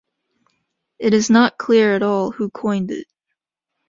It is not clear at all who coined it.